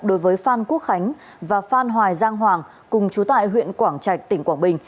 đối với phan quốc khánh và phan hoài giang hoàng cùng chú tại huyện quảng trạch tỉnh quảng bình